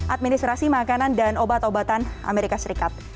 administrasi makanan dan obat obatan amerika serikat